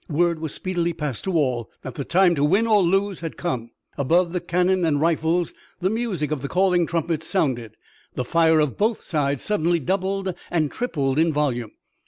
Word was speedily passed to all that the time to win or lose had come. Above the cannon and rifles the music of the calling trumpets sounded. The fire of both sides suddenly doubled and tripled in volume.